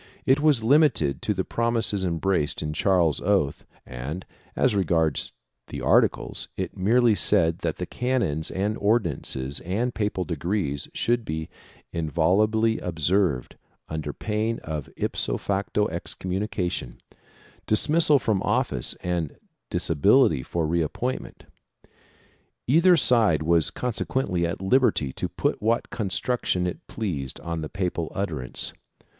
It was limited to the promises embraced in Charles's oath and, as regards the articles, it merely said that the canons and ordinances and papal decrees should be inviolably observed, under pain of ipso facto excom munication, dismissal from office and disability for re appoint ment. Either side was consequently at liberty to put what con struction it pleased on the papal utterance.